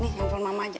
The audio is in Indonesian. nih handphone mama aja